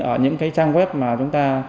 ở những trang web mà chúng ta